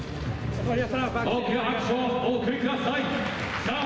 大きな拍手をお送りください。